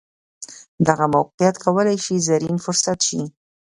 دغه موقیعت کولای شي زرین فرصت شي.